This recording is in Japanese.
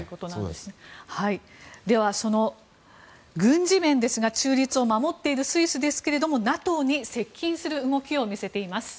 では、軍事面ですが中立を守っているスイスですけどＮＡＴＯに接近する動きを見せています。